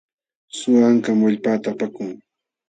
Suwa ankam wallpaata apakun.